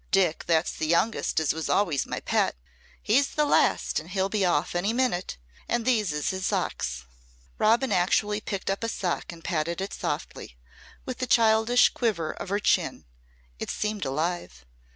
Dick, that's the youngest as was always my pet, he's the last and he'll be off any minute and these is his socks." Robin actually picked up a sock and patted it softly with a childish quiver of her chin. It seemed alive.